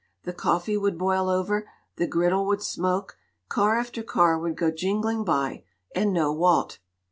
The coffee would boil over, the griddle would smoke, car after car would go jingling by, and no Walt.